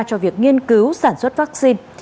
cho việc nghiên cứu sản xuất vaccine